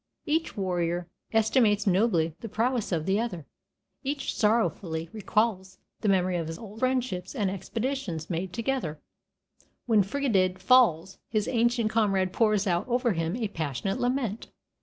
Each warrior estimates nobly the prowess of the other, each sorrowfully recalls the memory of old friendships and expeditions made together. When Ferdiad falls, his ancient comrade pours out over him a passionate lament.